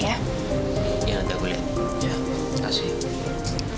iya nanti aku liat